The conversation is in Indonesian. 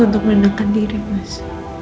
untuk menenangkan diri mas